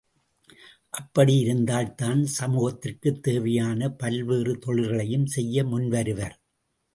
அப்படி இருந்தால்தான் சமூகத்திற்குத் தேவையான பல்வேறு தொழில்களையும் செய்ய முன் வருவர்.